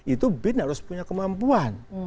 itu bin harus punya kemampuan